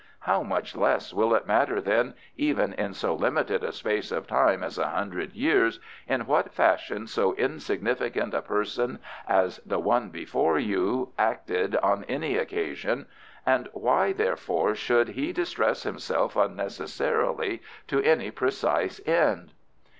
"How much less will it matter, then, even in so limited a space of time as a hundred years, in what fashion so insignificant a person as the one before you acted on any occasion, and why, therefore, should he distress himself unnecessarily to any precise end?"